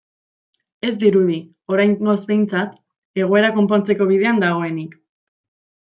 Ez dirudi, oraingoz behintzat, egoera konpontzeko bidean dagoenik.